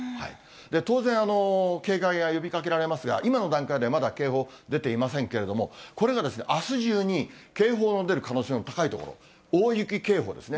当然、警戒が呼びかけられますが、今の段階ではまだ警報出ていませんけれども、これがあす中に、警報の出る可能性の高い所、大雪警報ですね。